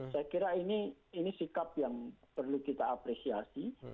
saya kira ini sikap yang perlu kita apresiasi